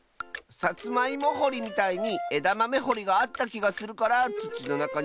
さつまいもほりみたいにえだまめほりがあったきがするからつちのなかになるとおもう！